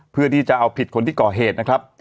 เพื่อที่จะเอาผิดคนที่ก่อเหตุนะครับ